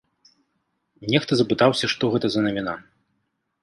Нехта запытаўся, што гэта за навіна.